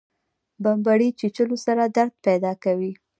بمبړې چیچلو سره درد پیدا کوي